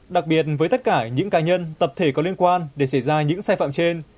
đặc biệt với tất cả những cá nhân tập thể có liên quan để xảy ra những sai phạm trên